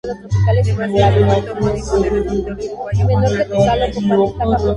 Se basa en el cuento homónimo del escritor uruguayo Juan Carlos Onetti.